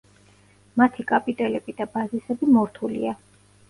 მათი კაპიტელები და ბაზისები მორთულია.